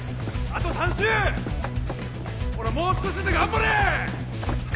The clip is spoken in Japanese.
・あと３周！ほらもう少しだ頑張れ！